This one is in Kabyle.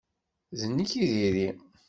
D nekk i diri.